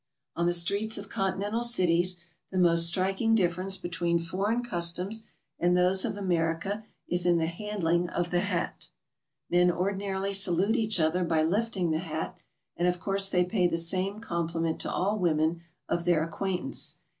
On the streets of Continental cities the most striking difference between foreign customs and those of America is in the handling of the hat. Men ordinarily salute each other by lifting the hat, and of course they pay the same compli ment to all women of their acquaintance.